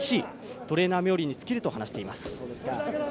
トレーナー冥利に尽きると話しています。